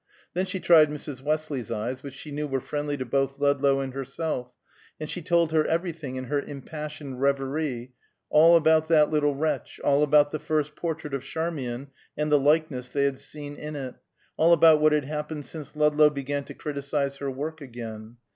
Then she tried Mrs. Westley's eyes, which she knew were friendly to both Ludlow and herself, and she told her everything in her impassioned revery: all about that little wretch; all about the first portrait of Charmian and the likeness they had seen in it; all about what had happened since Ludlow began to criticise her work again.